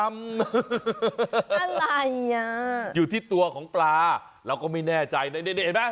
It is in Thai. อะไรอ่ะอยู่ที่ตัวของปลาเราก็ไม่แน่ใจนะนี่เห็นไหม